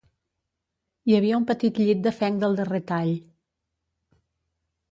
Hi havia un petit llit de fenc del darrer tall.